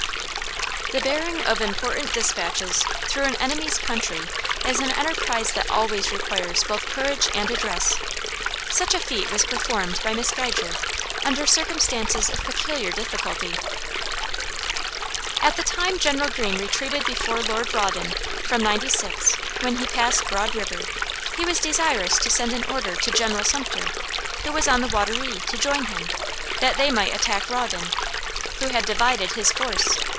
The bearing of important dispatches through an enemy's country is an enterprise that always requires both courage and address. Such a feat was performed by Miss Geiger, under circumstances of peculiar difficulty. At the time General Greene retreated before Lord Rawdon from Ninety Six, when he passed Broad river, he was desirous to send an order to General Sumter, who was on the Wateree, to join him, that they might attack Rawdon, who had divided his force.